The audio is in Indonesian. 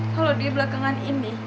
kalau dia belakangan ini